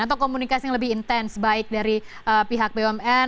atau komunikasi yang lebih intens baik dari pihak bumn